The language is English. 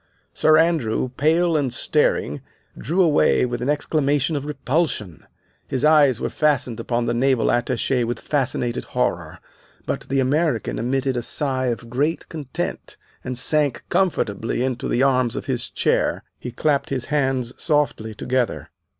Sir Andrew, pale and staring, drew away with an exclamation of repulsion. His eyes were fastened upon the Naval Attache with fascinated horror. But the American emitted a sigh of great content, and sank comfortably into the arms of his chair. He clapped his hands softly together.